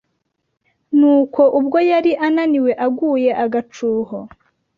Nuko ubwo yari ananiwe aguye agacuho